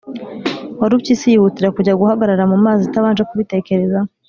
warupyisi yihutira kujya guhagarara mu mazi itabanje kubitekerezaho